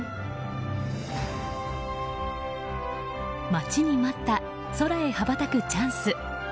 待ちに待った空へ羽ばたくチャンス。